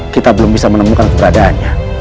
kita belum bisa menemukan keberadaannya